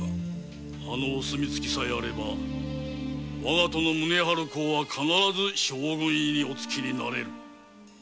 あのお墨付さえあればわが殿・宗春公は必ず将軍におなりになる。